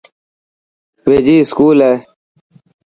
ويجھي اسڪول هي.